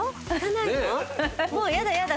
もうやだやだ！